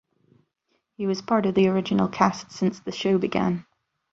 He was part of the original cast since the show began.